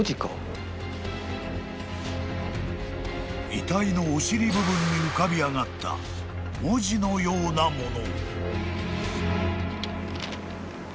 ［遺体のお尻部分に浮かび上がった文字のようなもの］